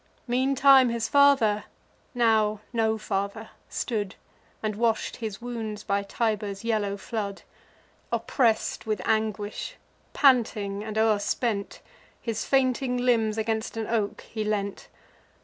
Meantime, his father, now no father, stood, And wash'd his wounds by Tiber's yellow flood: Oppress'd with anguish, panting, and o'erspent, His fainting limbs against an oak he leant.